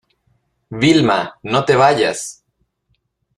Vilma, no te vayas.